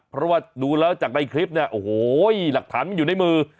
เพราะว่าดูแล้วจากในคลิปเนี่ยโอ้โหหลักฐานมันอยู่ในมือ